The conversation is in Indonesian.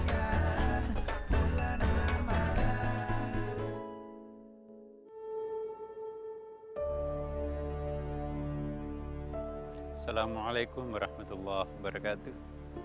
assalamualaikum warahmatullahi wabarakatuh